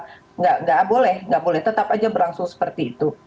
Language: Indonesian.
tidak boleh tidak boleh tetap saja berlangsung seperti itu